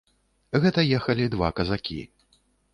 Гэта ехалі два казакі.